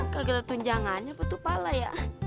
kaget tunjangannya betul betul pala ya